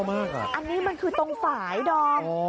อันนี้มันคือตรงฝ่ายดอม